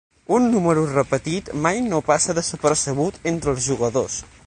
Un número repetit mai no passa desapercebut entre els jugadors.